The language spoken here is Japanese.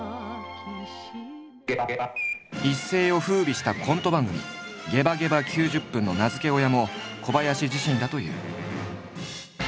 一世を風靡したコント番組「ゲバゲバ９０分！」の名付け親も小林自身だという。